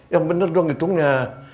yang bener dong ngitungnya